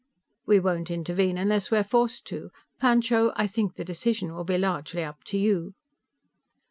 "We won't intervene unless we're forced to. Pancho, I think the decision will be largely up to you."